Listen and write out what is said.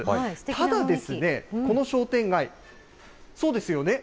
ただですね、この商店街、そうですよね。